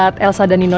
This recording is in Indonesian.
terus dulu kita